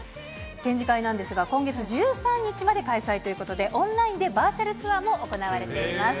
展示会なんですが、今月１３日まで開催ということで、オンラインでバーチャルツアーも行われています。